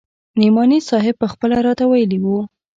نعماني صاحب پخپله راته ويلي وو.